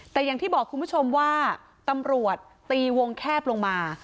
แต่อย่างที่บอกคุณผู้ชมว่าตำรวจตีวงแคบลงมา